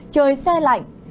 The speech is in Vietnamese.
trời xe lạnh